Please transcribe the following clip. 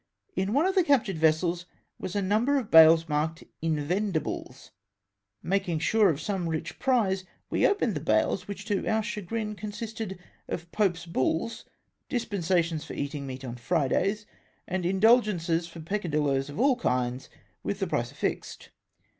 In one of the captured vessels was a number of bales, markcil '•'•invendehles" Maldng sure of some rich prize, we opened the bales, wliicli to our chagrin con sisted of pope's bulls, dispensations for eating meat on Fridays, and indidgences for peccadilloes of all kinds, with the price affixed.